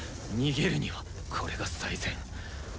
「逃げる」にはこれが最善。